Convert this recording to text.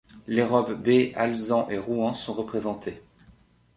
Les robes bai, alezan et rouan sont représentées.